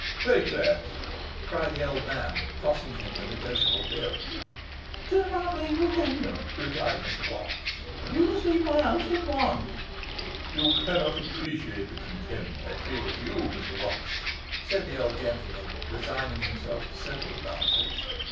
'Take that,' cried the old man, tossing him the negotiable bill. 'It is not legal tender,' replied Mr Watts. 'You must leave my house at once.' 'You cannot appreciate the contempt I feel for you, Mr Watts,' said the old gentleman, resigning himself to circumstances.